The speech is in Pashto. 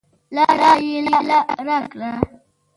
لاره یې راکړه.